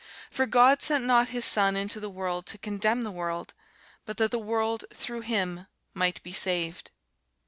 For God sent not his Son into the world to condemn the world; but that the world through him might be saved.